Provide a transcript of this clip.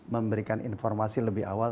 memberikan informasi lebih awal